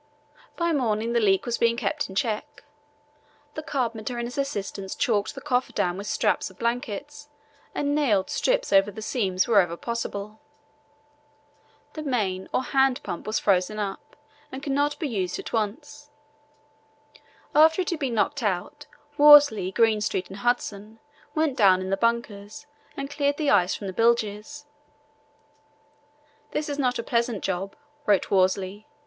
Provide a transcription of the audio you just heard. By morning the leak was being kept in check. The carpenter and his assistants caulked the coffer dam with strips of blankets and nailed strips over the seams wherever possible. The main or hand pump was frozen up and could not be used at once. After it had been knocked out Worsley, Greenstreet, and Hudson went down in the bunkers and cleared the ice from the bilges. "This is not a pleasant job," wrote Worsley.